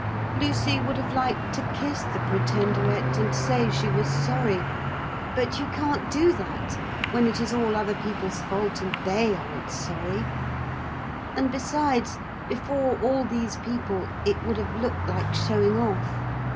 Lucy would have liked to kiss the Pretenderette and say she was sorry, but you can't do that when it is all other people's fault and they aren't sorry. And besides, before all these people, it would have looked like showing off.